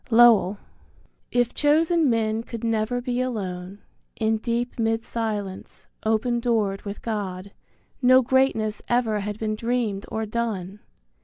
Lowell. If chosen men could never be alone, In deep mid silence, open doored with God No greatness ever had been dreamed or done.